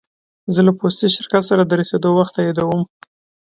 زه له پوستي شرکت سره د رسېدو وخت تاییدوم.